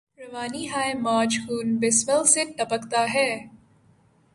روانی ہاۓ موج خون بسمل سے ٹپکتا ہے